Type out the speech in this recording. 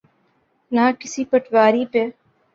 نہ کسی پٹواری پہ۔